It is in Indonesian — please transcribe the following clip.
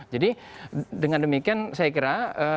jadi dengan demikian saya kira